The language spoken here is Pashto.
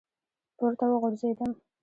پـورتـه وغورځـېدم ،